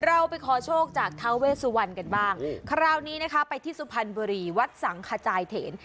เราไปขอโชคจากท้าเวสุวรรณกันบ้างคราวนี้นะคะไปที่สุพรรณบุรีวัดสังขจายเถน